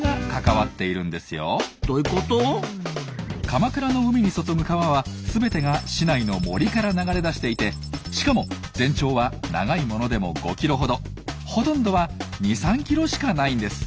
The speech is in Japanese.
鎌倉の海に注ぐ川は全てが市内の森から流れ出していてしかも全長は長いものでも５キロほどほとんどは２３キロしかないんです。